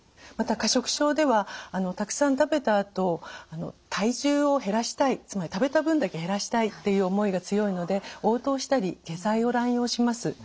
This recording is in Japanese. また過食症ではたくさん食べたあと体重を減らしたいつまり食べた分だけ減らしたいっていう思いが強いのでおう吐をしたり下剤を乱用します。